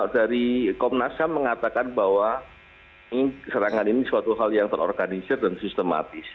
dari komnas ham mengatakan bahwa serangan ini suatu hal yang terorganisir dan sistematis